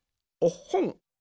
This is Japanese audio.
おっほん。